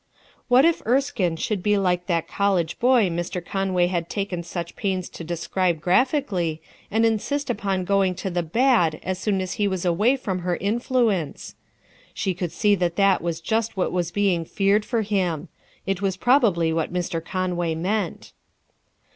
What if Erskine should be like that college boy Mr. Conway had taken such pains to describe graphically and insist upon going to the bad as soon as he was away from her influence? She could see that that was just what was being feared for him; it was probably what Mr. Conway meant.